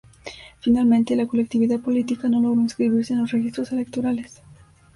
Finalmente, la colectividad política no logró inscribirse en los registros electorales.